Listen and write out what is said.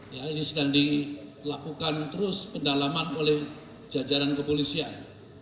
ya ini sedang dilakukan terus pendalaman oleh jajaran kepolisian